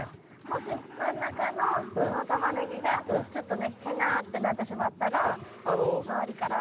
もし真ん中のこのタマネギがちょっとねへなってなってしまったら周りから。